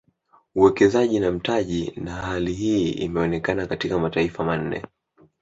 Uwekezaji na mtaji na hali hii imeonekana katika mataifa manne